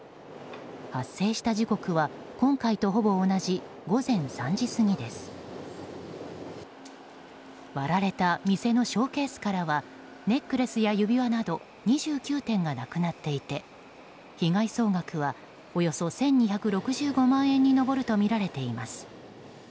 発生した時刻は今回とほぼ同じ午前３時過ぎです。割られた店のショーケースからはネックレスや指輪など２９点がなくなっていて被害総額はおよそ１２６５万円に上るとみられています。